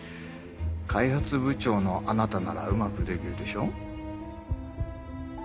開発部長のあなたならうまくできるでしょ？